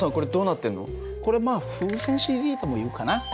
これまあ風船ＣＤともいうかな。